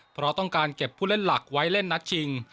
เพราะต้องการเก็บผู้เล่นหลักไว้เล่นนัดชิง